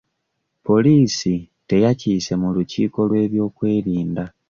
Poliisi teyakiise mu lukiiko lw'ebyokwerinda.